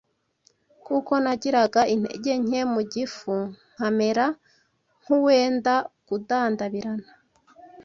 kuko nagiraga intege nke mu gifu nkamera nk’uwenda kudandabirana